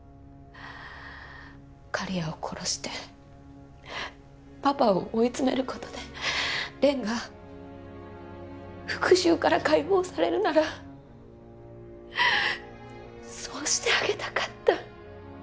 刈谷を殺してパパを追い詰める事でが復讐から解放されるならそうしてあげたかった。